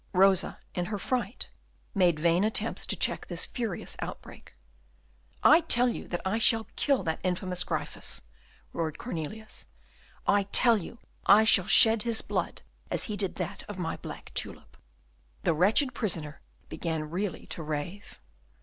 Rosa, in her fright, made vain attempts to check this furious outbreak. "I tell you that I shall kill that infamous Gryphus?" roared Cornelius. "I tell you I shall shed his blood as he did that of my black tulip." The wretched prisoner began really to rave.